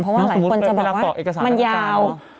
เพราะว่าหลายคนจะบอกว่ามันยาว